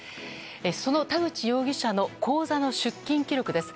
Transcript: その田口容疑者の口座の出金記録です。